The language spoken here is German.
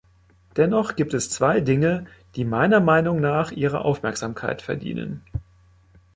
Dennoch gibt es zwei Dinge, die meiner Meinung nach Ihre Aufmerksamkeit verdienen.